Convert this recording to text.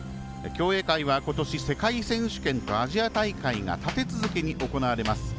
競泳界は、ことし世界選手権とアジア大会が立て続けに行われます。